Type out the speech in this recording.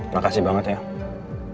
makasih banget ya